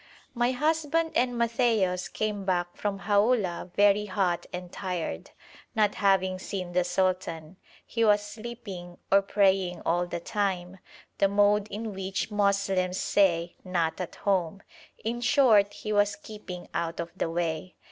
My husband and Matthaios came back from Haulah very hot and tired, not having seen the sultan; he was sleeping or praying all the time, the mode in which Moslems say 'not at home' in short he was keeping out of the way.